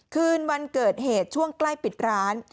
คืนวันเกิดเหตุช่วงใกล้ปิดร้าน